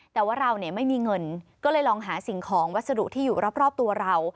แต่ว่าเราเนี่ยไม่มีเงินก็เลยลองหาสิ่งของวัสดุที่อยู่รอบตัวเรา